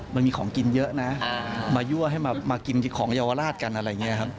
มันมีของกินเยอะนะมายั่วให้มากินของเยาวราชกันอะไรอย่างนี้ครับ